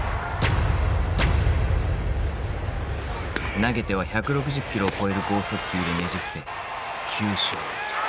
投げては１６０キロを超える剛速球でねじ伏せ９勝。